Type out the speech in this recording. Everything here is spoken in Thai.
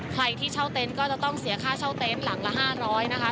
ที่เช่าเต็นต์ก็จะต้องเสียค่าเช่าเต็นต์หลังละ๕๐๐นะคะ